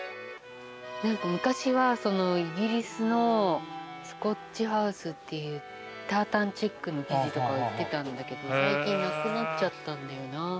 何か昔はイギリスのスコッチハウスっていうタータンチェックの生地とか売ってたんだけど最近なくなっちゃったんだよな。